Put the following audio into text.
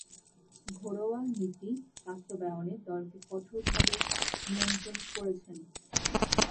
ঘরোয়া নীতি বাস্তবায়নে দলকে কঠোরভাবে নিয়ন্ত্রণ করেছেন।